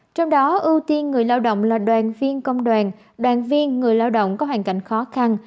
trong đó ưu tiên người lao động là đoàn viên công đoàn đoàn viên người lao động có hoàn cảnh khó khăn